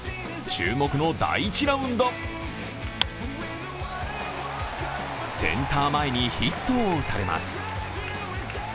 注目の第１ラウンドセンター前にヒットを打たれます。